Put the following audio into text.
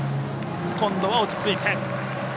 今度は落ち着いて。